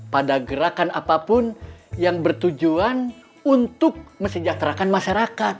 pada gerakan apapun yang bertujuan untuk mesejahterakan masyarakat